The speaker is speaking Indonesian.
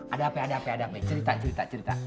ada apa cerita